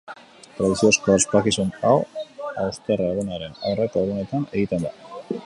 Tradiziozko ospakizun hau hausterre-egunaren aurreko egunetan egiten da.